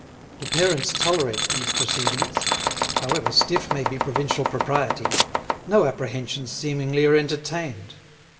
The parents tolerate these proceedings; however stiff may be provincial propriety, no apprehensions, seemingly, are entertained.